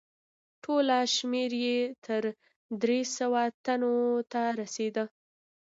ټوله شمیر یې تر درې سوه تنو ته رسیده.